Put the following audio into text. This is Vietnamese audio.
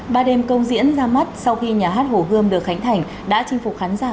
ba đêm công diễn ra mắt sau khi nhà hát hồ gươm được khánh thành đã chinh phục khán giả